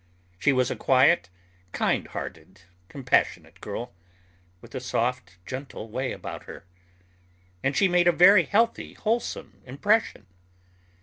She was a quiet, kind hearted, compassionate girl, with a soft gentle way about her. And she made a very healthy, wholesome impression.